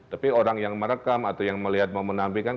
tapi orang yang merekam atau yang melihat mau menampilkan